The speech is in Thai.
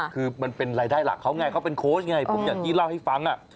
คือมันเป็นรายได้หลักเขาไงเขาเป็นโค้ชไงผมอย่างที่เล่าให้ฟัง